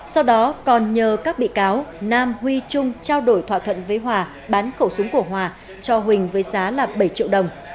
sau đó còn nhờ các bị cáo nam huy trung trao đổi thỏa thuận với hòa bán khẩu súng của hòa cho huỳnh với giá bảy triệu đồng